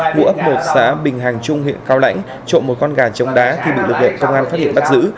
ngụ xã bình hàng trung huyện cao lãnh trộm một con gà chống đá khi bị lực lượng công an phát hiện bắt giữ